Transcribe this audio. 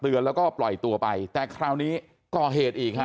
แล้วก็ปล่อยตัวไปแต่คราวนี้ก่อเหตุอีกฮะ